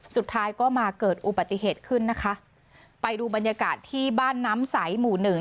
สุดท้ายก็มาเกิดอุบัติเหตุขึ้นนะคะไปดูบรรยากาศที่บ้านน้ำใสหมู่หนึ่ง